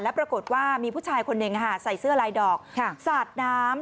ปรากฏว่ามีผู้ชายคนหนึ่งใส่เสื้อลายดอกสาดน้ำ